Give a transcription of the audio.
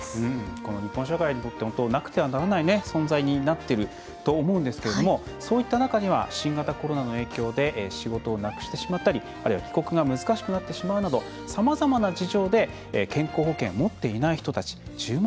この日本社会にとってなくてはならない存在になっていると思うんですけれどもそういった中には新型コロナの影響で仕事をなくしてしまったりあるいは帰国が難しくなってしまうなどさまざまな事情で健康保険を持っていない人たち１０万